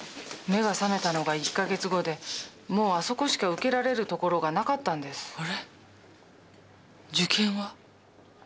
目が覚めたのが１か月後でもうあそこしか受けられる所がなかったんですあれ受験は？